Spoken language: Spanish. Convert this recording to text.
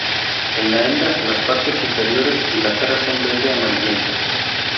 En la hembra, las partes inferiores y la cara son verde-amarillentas.